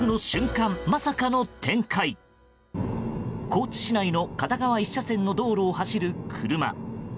高知市内の片側１車線の道路を走る車。